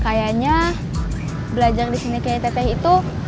kayanya belajar di sini kayaknya teteh itu